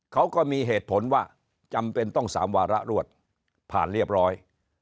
เขาก็มีเหตุผลว่าจำเป็นต้อง๓วาระรวดผ่านเรียบร้อย